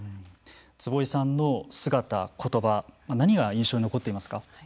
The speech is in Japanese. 坪井さんの姿、ことば何が印象に残っていますか。